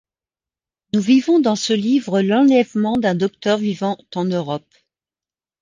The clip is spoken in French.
Nous vivons dans ce livre l'enlèvement d'un docteur vivant en Europe.